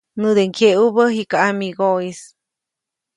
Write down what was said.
Näde ŋgyeʼubä jikä ʼamigoʼis.